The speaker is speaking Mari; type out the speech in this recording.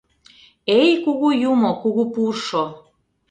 Эй, кугу юмо, кугу пуршо!